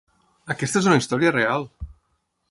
Aquesta és una història real!